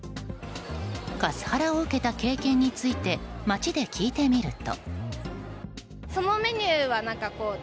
カスハラを受けた経験について街で聞いてみると。